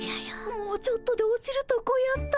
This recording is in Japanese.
もうちょっとで落ちるとこやった。